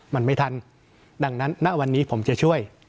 มันไม่ทันดังนั้นณวันนี้ผมจะช่วย